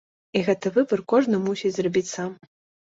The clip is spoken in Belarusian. І гэты выбар кожны мусіць зрабіць сам.